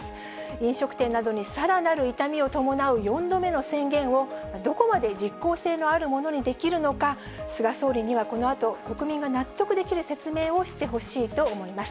飲食店などにさらなる痛みを伴う４度目の宣言を、どこまで実効性のあるものにできるのか、菅総理にはこのあと、国民が納得できる説明をしてほしいと思います。